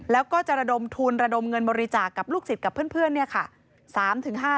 แล้วก็จะระดมทุนระดมเงินบริจาคกับลูกศิษย์กับเพื่อนเนี่ยค่ะ